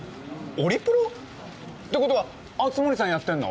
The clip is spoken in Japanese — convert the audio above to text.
オリプロ！？ってことは熱護さんやってんの？